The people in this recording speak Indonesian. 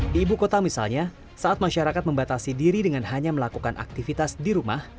di ibu kota misalnya saat masyarakat membatasi diri dengan hanya melakukan aktivitas di rumah